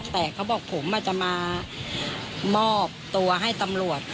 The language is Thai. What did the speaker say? แต่เขาบอกผมจะมามอบตัวให้ตำรวจ